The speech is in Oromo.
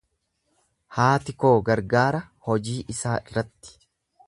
Haati koo gargaara hojii isaa irratti.